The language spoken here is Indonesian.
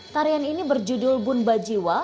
tarian ini berjudul bun bajiwa